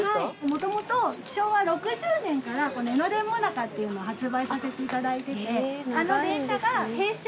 もともと昭和６０年から江ノ電もなかっていうのを発売させていただいてて。